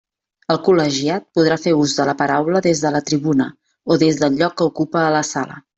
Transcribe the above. El col·legiat podrà fer ús de la paraula des de la tribuna o des del lloc que ocupe a la sala.